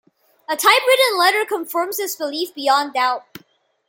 A typewritten letter confirms his belief beyond doubt.